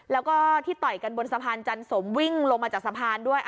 แล้วก็ที่ต่อยกันบนสะพานจันสมวิ่งลงมาจากสะพานด้วย